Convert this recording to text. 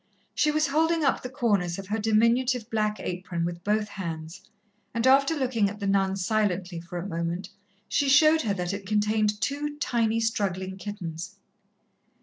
She was holding up the corners of her diminutive black apron with both hands, and after looking at the nun silently for a moment, she showed her that it contained two tiny, struggling kittens.